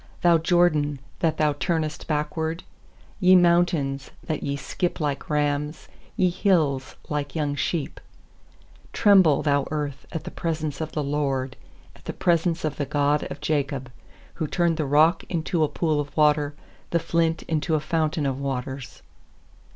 Thou Jordan, that thou turnest backward? 6Ye mountains, that ye skip like rams , Ye hills, like young sheep? 7Tremble, thou earth, at the pres ence of the Lord, At the presence of the God of Jacob ; 8Who turned the rock into a pool of water, The flint into a fountain of waters.